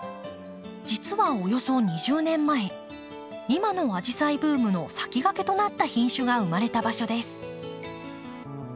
実はおよそ２０年前今のアジサイブームの先駆けとなった品種が生まれた場所です。